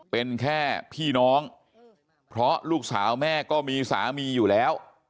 เป็นแค่พี่น้องเพราะลูกสาวแม่ก็มีสามีอยู่แล้ว